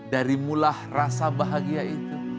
darimulah rasa bahagia itu